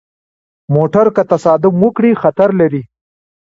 موټر که تصادم وکړي، خطر لري.